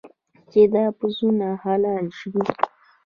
چې دا پسونه حلال شي.